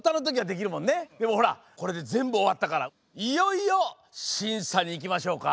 でもほらこれでぜんぶおわったからいよいよしんさにいきましょうか。